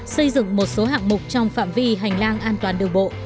xây dựng một số hạng mục trong phạm vi hành lang an toàn đường bộ